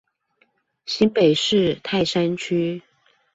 新北市泰山區